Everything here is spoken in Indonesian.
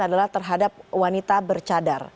adalah terhadap wanita bercadar